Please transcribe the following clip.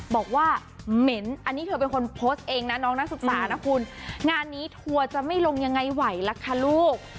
บอกว่าเหม็นอันนี้เธอเป็นคนโพสต์เองนะน้องนักศึกษานะคุณงานนี้ทัวร์จะไม่ลงยังไงไหวล่ะคะลูก